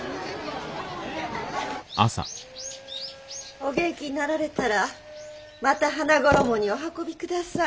「お元気になられたらまた花ごろもにお運び下さい」。